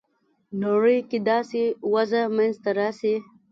نړۍ کې داسې وضع منځته راسي.